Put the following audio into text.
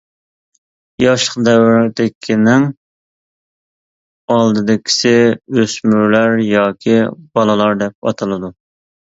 ياشلىق دەۋرىدىكىنىڭ ئالدىدىكىسى ئۆسمۈرلەر ياكى بالىلار دەپ ئاتىلىدۇ.